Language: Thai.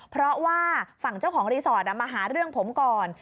เพราะว่าฝั่งเจ้าของรีสอร์ทมาหาเรื่องผมก่อน